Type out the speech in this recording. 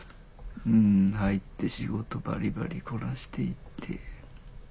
入って仕事バリバリこなして行って。